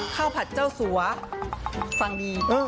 ข้าวผัดเจ้าสัวฟังดี